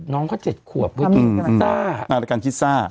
น้องเขาเจ็ดขวบด้วยกินที่ซ่าฮะใช่มั้ยอ่ารายการที่ซ่า